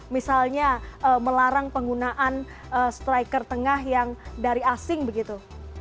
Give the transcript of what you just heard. misalnya melarang penggunaan striker tengah yang dari asing begitu